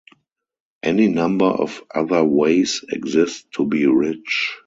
Any number of other ways exist to be rich.